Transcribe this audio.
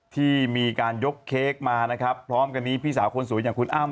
ที่มีการยกเค้กมานะครับพร้อมกันนี้พี่สาวคนสวยอย่างคุณอ้ำ